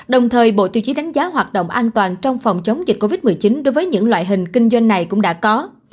đồng thời bộ tiêu chí đánh giá hoạt động an toàn trong phòng chống dịch covid một mươi chín đối với những loại hình kinh doanh này cũng đã có